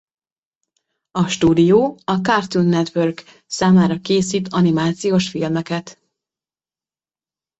A stúdió a Cartoon Network számára készít animációs filmeket.